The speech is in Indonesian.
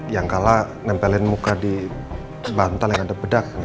yang kalah nempelin muka di bantal yang ada bedak